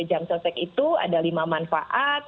jamsosek itu ada lima manfaat